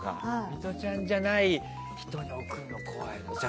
ミトちゃんじゃない人に送るの怖いわ。